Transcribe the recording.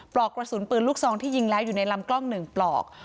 ปลอกกระสุนปืนลูกซองที่ยิงแล้วอยู่ในลำกล้อง๑ปลอก